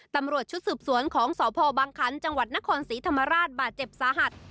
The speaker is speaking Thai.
ตำรวจชุดสืบสวนของสพบังคันจังหวัดนครศรีธรรมราชบาดเจ็บสาหัส